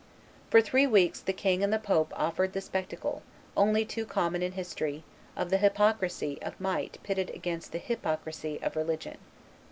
'" For three weeks the king and the pope offered the spectacle, only too common in history, of the hypocrisy of might pitted against the hypocrisy of religion.